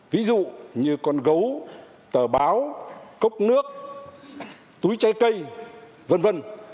ví dụ như con gấu tờ báo cốc nước túi trái cây v v